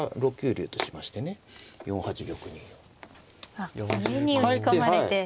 あっ上に打ち込まれて。